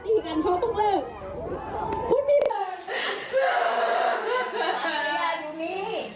อย่างงี้คุณสอบให้เงิน